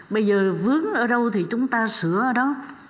bây giờ vướng ở đâu thì chúng ta sửa ở đó